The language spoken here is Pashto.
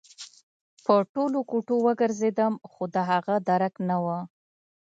په ټولو کوټو وګرځېدم خو د هغه درک نه و